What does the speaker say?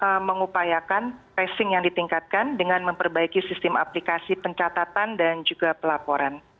kita mengupayakan tracing yang ditingkatkan dengan memperbaiki sistem aplikasi pencatatan dan juga pelaporan